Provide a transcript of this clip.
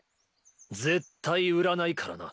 絶対売らないからな。